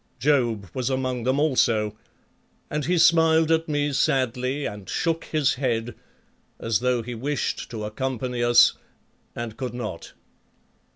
Job was among them also, and he smiled at me sadly and shook his head, as though he wished to accompany us and could not.